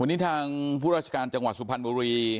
วันนี้ทางผู้ราชการจังหวัดสุพรรณบุรี